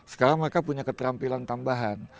sekarang mereka punya keterampilan tambahan